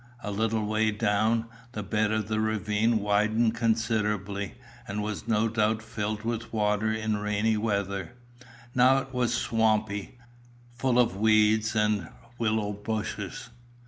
A little way down, the bed of the ravine widened considerably, and was no doubt filled with water in rainy weather. Now it was swampy full of reeds and willow bushes.